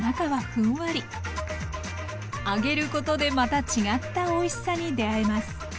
揚げることでまた違ったおいしさに出会えます。